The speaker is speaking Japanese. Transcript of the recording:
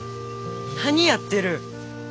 何やってる！